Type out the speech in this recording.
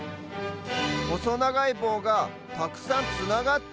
ほそながいぼうがたくさんつながってる？